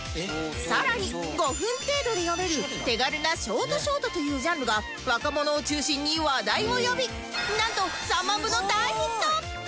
さらに５分程度で読める手軽なショートショートというジャンルが若者を中心に話題を呼びなんと３万部の大ヒット！